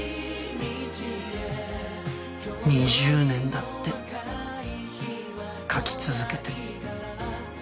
２０年だって書き続けて。